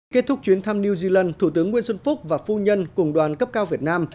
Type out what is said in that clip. kết thúc chuyến thăm new zealand thủ tướng nguyễn xuân phúc và phu nhân cùng đoàn cấp cao việt nam